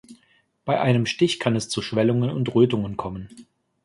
Bei einem Stich kann es zu Schwellungen und Rötungen kommen.